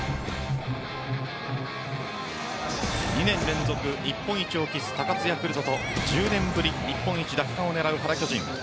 ２年連続日本一を期す高津ヤクルトと１０年ぶり日本一奪還を目指す原巨人。